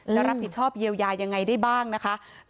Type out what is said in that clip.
จะรับผิดชอบเยียวยายังไงได้บ้างนะคะ